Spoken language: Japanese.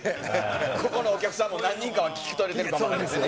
ここのお客さんも何人かは聞き取れてるかも分かりませんね。